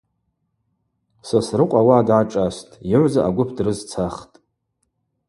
Сосрыкъва ауаъа дгӏашӏастӏ, йыгӏвза агвып дрызцахтӏ.